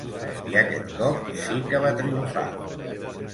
I aquest cop sí que va triomfar.